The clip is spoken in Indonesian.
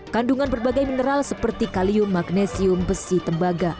kandungan berbagai mineral seperti kalium magnesium besi tembaga